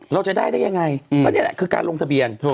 เราจะได้ได้ยังไงก็นี่แหละคือการลงทะเบียน